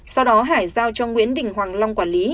sau đó hải giao cho nguyễn đình hoàng long quản lý